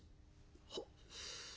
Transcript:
「はっ。